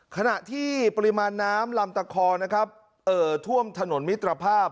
ขณะที่ปริมาณน้ำลำตะคอนะครับเอ่อท่วมถนนมิตรภาพ